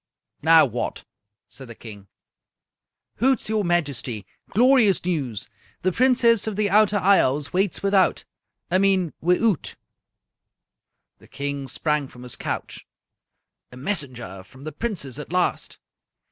"Now what?" said the King. "Hoots, your Majesty! Glorious news! The Princess of the Outer Isles waits without I mean wi'oot!" The King sprang from his couch. "A messenger from the Princess at last!"